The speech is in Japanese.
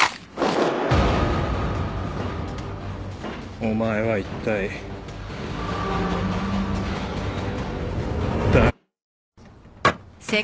お前は一体誰。